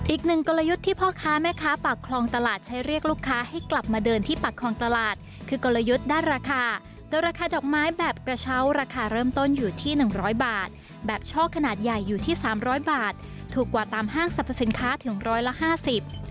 อีกหนึ่งกลยุทธ์ที่พ่อค้าแม่ค้าปากคลองตลาดใช้เรียกลูกค้าให้กลับมาเดินที่ปากคลองตลาดคือกลยุทธ์ด้านราคาแต่ราคาดอกไม้แบบกระเช้าราคาเริ่มต้นอยู่ที่หนึ่งร้อยบาทแบบช่อขนาดใหญ่อยู่ที่สามร้อยบาทถูกกว่าตามห้างสรรพสินค้าถึงร้อยละห้าสิบ